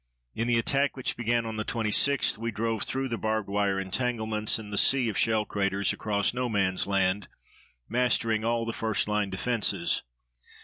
In the attack which began on the 26th we drove through the barbed wire entanglements and the sea of shell craters across No Man's Land, mastering all the first line defenses.